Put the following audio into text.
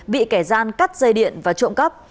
bị kẻ gian cắt dây điện và trộm cắp